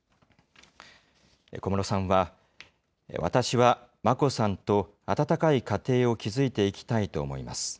小室さんは、私は、眞子さんと温かい家庭を築いていきたいと思います。